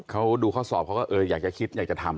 เขาดูข้อสอบเขาก็เอออยากจะคิดอยากจะทำ